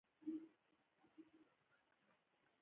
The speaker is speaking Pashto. په پای کې د افغانانو پاڅون وشو.